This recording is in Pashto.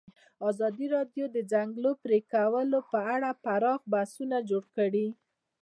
ازادي راډیو د د ځنګلونو پرېکول په اړه پراخ بحثونه جوړ کړي.